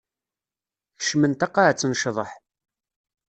Kecmen taqaɛet n ccḍeḥ.